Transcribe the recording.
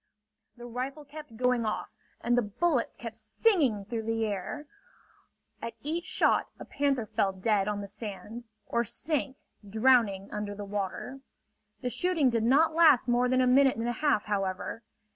The rifle kept going off and the bullets kept singing through the air. At each shot a panther fell dead on the sand or sank drowning under the water. The shooting did not last more than a minute and a half, however.